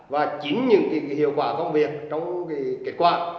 và chính những cái hiệu quả công việc trong cái kết quả